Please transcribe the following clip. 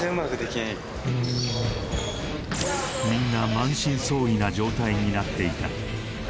みんな満身創痍な状態になっていた